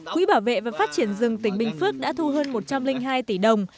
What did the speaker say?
quỹ bảo vệ và phát triển rừng tỉnh bình phước đã thu hơn một trăm linh hai tỷ đồng